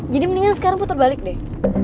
jadi mendingan sekarang puter balik deh